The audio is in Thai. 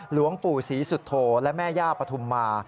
หลวงปู่ศรีสุโธและแม่ย่าปฐุมมา